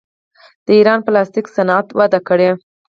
د ایران پلاستیک صنعت وده کړې.